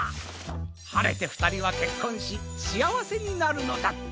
はれてふたりはけっこんししあわせになるのだった！